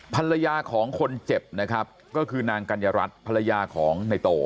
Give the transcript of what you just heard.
ภรรยาของคนเจ็บนะครับก็คือนางกัญญารัฐภรรยาของในโต